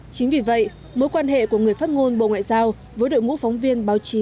chính vì vậy mối quan hệ của người phát ngôn bộ ngoại giao với đội ngũ phóng viên báo chí